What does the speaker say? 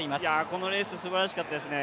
このレースすばらしかったですね。